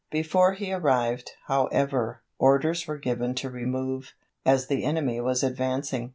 Before he arrived, however, orders were given to remove, as the enemy was advancing.